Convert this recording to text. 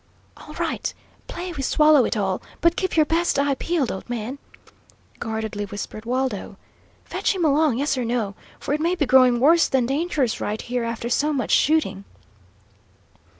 "All right. Play we swallow it all, but keep your best eye peeled, old man," guardedly whispered Waldo. "Fetch him along, yes or no, for it may be growing worse than dangerous right here, after so much shooting."